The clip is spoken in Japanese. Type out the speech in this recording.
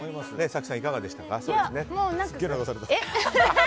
早紀さん、いかがでしたか？